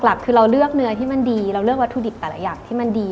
หลักคือเราเลือกเนื้อที่มันดีเราเลือกวัตถุดิบแต่ละอย่างที่มันดี